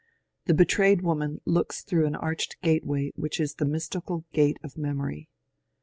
The betrayed woman looks through an arched gate way which is the mystical Gate of Memory.